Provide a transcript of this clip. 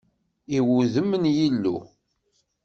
I wuddem n Yillu!